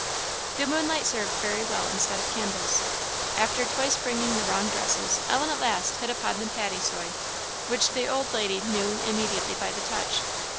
The moonlight served very well instead of candles. After twice bringing the wrong dresses, Ellen at last hit upon the "paddysoy," which the old lady knew immediately by the touch.